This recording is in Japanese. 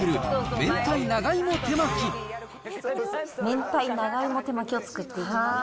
めんたい長芋手巻きを作っていきます。